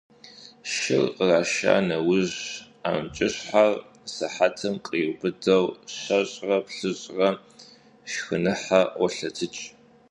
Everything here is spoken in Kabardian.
Шыр къраша нэужь, амкӀыщхэр сыхьэтым къриубыдэу щэщӏрэ-плӏыщӏрэ шхыныхьэ ӀуолъэтыкӀ.